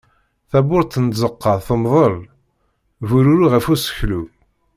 Tawwurt n tzeqqa temdel, bururu ɣef useklu.